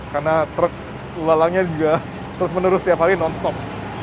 karena truk lalangnya juga terus menerus setiap hari non stop